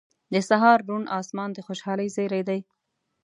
• د سهار روڼ آسمان د خوشحالۍ زیری دی.